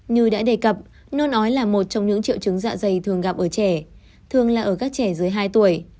như đã đề cập nôn ói là một trong những triệu chứng dạ dày thường gặp ở trẻ thường là ở các trẻ dưới hai tuổi